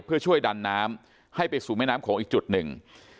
เพื่อช่วยดันน้ำให้ไปสู่แม่น้ำโขงอีกจุดหนึ่ง